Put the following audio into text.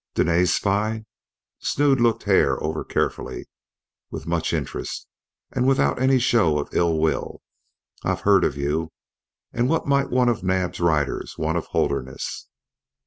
"Dene's spy!" Snood looked Hare over carefully, with much interest, and without any show of ill will. "I've heerd of you. An' what might one of Naab's riders want of Holderness?"